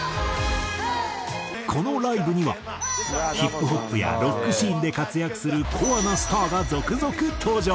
このライブにはヒップホップやロックシーンで活躍するコアなスターが続々登場。